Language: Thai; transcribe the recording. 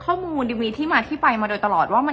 เพราะในตอนนั้นดิวต้องอธิบายให้ทุกคนเข้าใจหัวอกดิวด้วยนะว่า